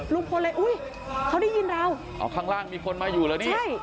ลุงพลเลยอุ้ยเขาได้ยินเราอ๋อข้างล่างมีคนมาอยู่เหรอนี่ใช่